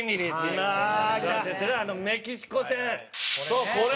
そうこれ！